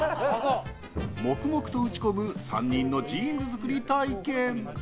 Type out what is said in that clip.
黙々と打ち込む３人のジーンズ作り体験。